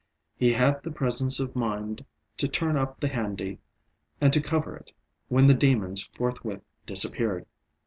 He had the presence of mind to turn up the handi and to cover it, when the demons forthwith disappeared.